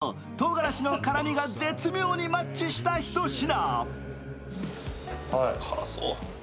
肉のうまみととうがらしの辛みが絶妙にマッチしたひと品。